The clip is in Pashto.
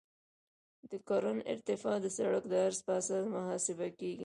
د کرون ارتفاع د سرک د عرض په اساس محاسبه کیږي